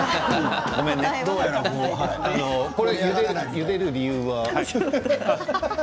ゆでる理由は？